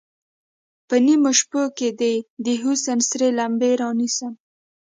په نیمو شپو کې دې، د حسن سرې لمبې رانیسم